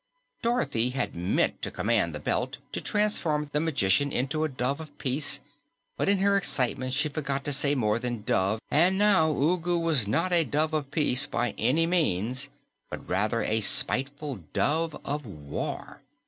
Dorothy had meant to command the Belt to transform the magician into a Dove of Peace, but in her excitement she forgot to say more than "dove," and now Ugu was not a Dove of Peace by any means, but rather a spiteful Dove of War.